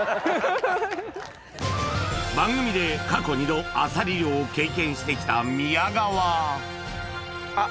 番組で過去２度あさり漁を経験してきた宮川あっ